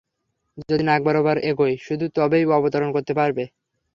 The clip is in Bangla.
যদি নাক বরাবর এগোই শুধু তবেই অবতরণ করতে পারব।